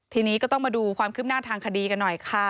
ทีนี้ก็ต้องมาดูความคืบหน้าทางคดีกันหน่อยค่ะ